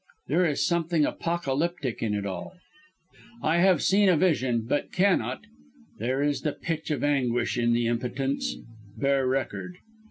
There is something apocalyptic in it all. I have seen a vision, but cannot there is the pitch of anguish in the impotence bear record.